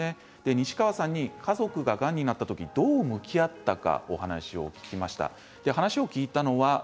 西川さんに家族ががんになった時どう向き合ったかお話を聞きました。